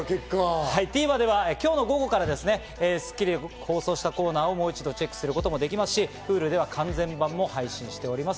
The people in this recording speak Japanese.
ＴＶｅｒでは今日の午後から『スッキリ』で放送したコーナーをもう一度チェックすることもできますし、Ｈｕｌｕでは完全版も配信しております。